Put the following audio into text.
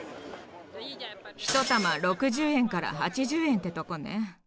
ひと玉６０円から８０円ってとこね。